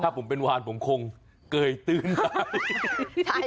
ถ้าผมเป็นวานผมคงเกยตื้นได้